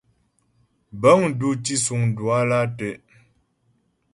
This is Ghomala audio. Bəŋ dù tǐsuŋ Duala tɛ'.